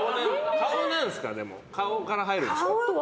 顔から入るんですか？